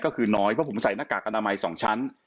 ก็คือน้อยเพราะผมใส่หน้ากากอนามัย๒ชั้น